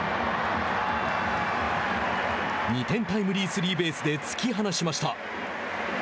２点タイムリースリーベースで突き放しました。